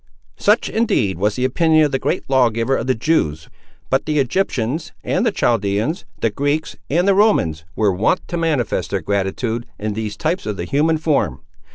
"Such indeed was the opinion of the great lawgiver of the Jews, but the Egyptians, and the Chaldeans, the Greeks, and the Romans, were wont to manifest their gratitude, in these types of the human form.